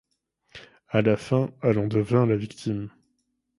À la fin, elle en devint la victime.